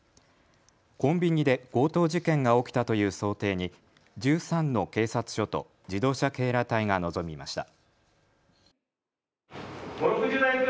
コンビニで強盗事件が起きたという想定に１３の警察署と自動車警ら隊が臨みました。